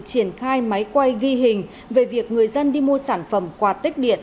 triển khai máy quay ghi hình về việc người dân đi mua sản phẩm quạt tích điện